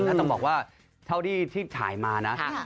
แล้วต้องบอกว่าเท่าที่ถ่ายมานะ